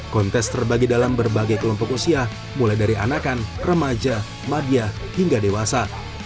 kontes terbagi dalam berbagai kelompok usia mulai dari anakan remaja madia hingga dewasa